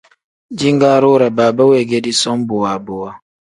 Jingaari wire baaba weegedi som bowa bowa.